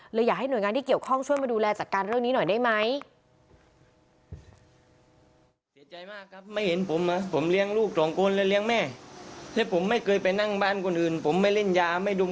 อยากให้หน่วยงานที่เกี่ยวข้องช่วยมาดูแลจัดการเรื่องนี้หน่อยได้ไหม